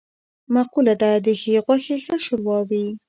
مقوله ده: د ښې غوښې ښه شوروا وي.